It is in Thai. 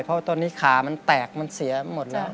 เพราะตอนนี้ขามันแตกมันเสียหมดแล้ว